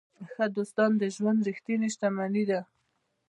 ښه دوستان د ژوند ریښتینې شتمني ده.